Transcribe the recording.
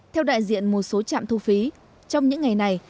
theo đại diện một số trạm thu phí trong những ngày này